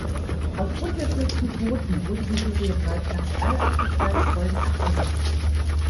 Aufgrund der schlechten Quoten wurde die Serie bereits nach drei ausgestrahlten Folgen abgesetzt.